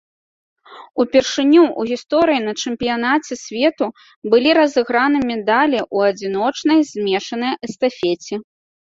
Упершыню ў гісторыі на чэмпіянаце свету былі разыграны медалі ў адзіночнай змешанай эстафеце.